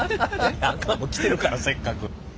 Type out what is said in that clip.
あかん来てるからせっかく。